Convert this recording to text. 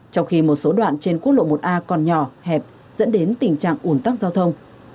trong khi một số đoạn trên quốc lộ một a còn nhỏ hẹp dẫn đến tình trạng ủn tắc giao thông